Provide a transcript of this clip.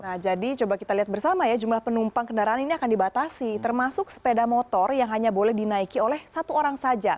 nah jadi coba kita lihat bersama ya jumlah penumpang kendaraan ini akan dibatasi termasuk sepeda motor yang hanya boleh dinaiki oleh satu orang saja